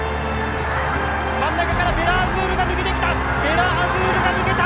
真ん中からヴェラアズールが抜けてきた。